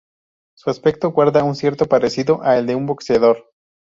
Su aspecto guarda un cierto parecido a el de un boxeador.